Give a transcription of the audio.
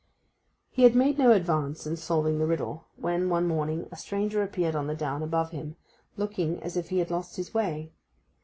He had made no advance in solving the riddle when, one morning, a stranger appeared on the down above him, looking as if he had lost his way.